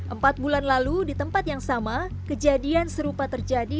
empat bulan lalu di tempat yang sama kejadian serupa terjadi